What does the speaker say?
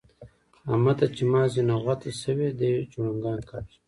احمد ته چې مازي نغوته شوي؛ دی جوړنګان کاږي.